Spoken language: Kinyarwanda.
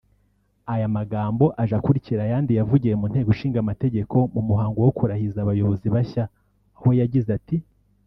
Aya magambo aje akurikira ayandi yavugiye mu nteko ishingamategeko mu muhango wo kurahiza abayobozi bashya aho yagize ati